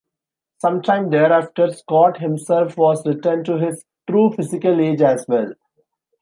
Some time thereafter, Scott himself was returned to his true physical age, as well.